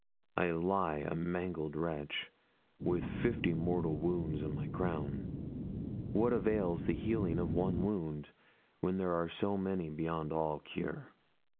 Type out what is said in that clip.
I lie a mangled wretch, with fifty mortal wounds on my crown; what avails the healing of one wound, when there are so many beyond all cure?